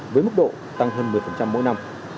với mức độ tăng hơn một mươi mỗi năm